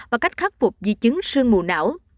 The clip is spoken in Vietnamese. và cách khắc phục di chứng sườn mù não